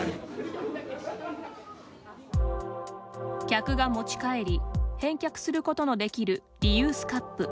客が持ち帰り返却することのできるリユースカップ。